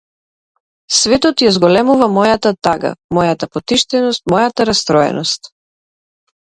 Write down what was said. Светот ја зголемува мојата тага, мојата потиштеност, мојата растроеност.